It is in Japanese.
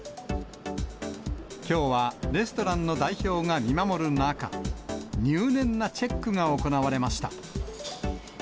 きょうは、レストランの代表が見守る中、入念なチェックが行われました。